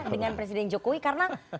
dengan presiden jokowi karena